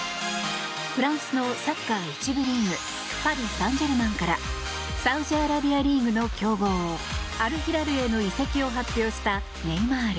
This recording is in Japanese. フランスのサッカー１部リーグパリ・サンジェルマンからサウジアラビアリーグの強豪アル・ヒラルへの移籍を発表したネイマール。